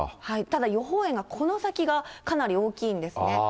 ただ予報円がこの先がかなり大きいんですね。